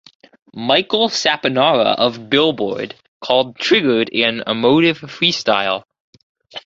Michael Saponara of "Billboard" called "Triggered" an "emotive freestyle".